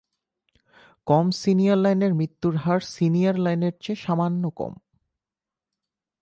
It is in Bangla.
কম সিনিয়র লাইনের মৃত্যুর হার সিনিয়র লাইনের চেয়ে সামান্য কম।